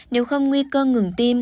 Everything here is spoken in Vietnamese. nếu không nguy cơ ngừng tim